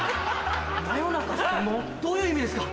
どういう意味ですか？